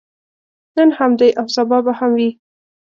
نن هم دی او سبا به هم وي.